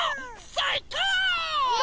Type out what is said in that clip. さいこう！